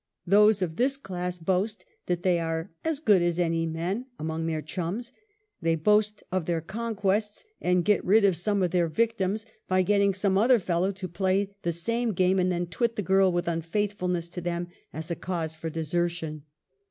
Those of this class boast that they are "as good as any men" among their chums. They boast of their conquests and get rid of some of their victims by getting some other fellow to play the same game and then twit the girl with unfaithful ness to them as a cause for desertion.